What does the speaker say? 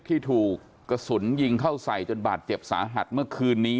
ที่ถูกกระสุนยิงเข้าใส่จนบาดเจ็บสาหัสเมื่อคืนนี้